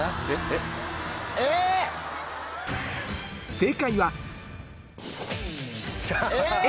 正解はＡ